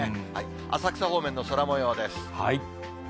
浅草方面の空もようです。